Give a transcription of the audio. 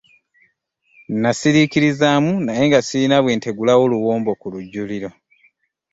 Nasiriikirizaamu naye nga sirina bwe ntegulawo luwombo ku lujjuliro.